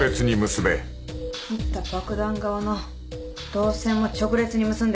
切った爆弾側の導線も直列に結んで。